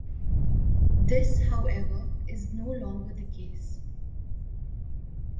This, however, is no longer the case.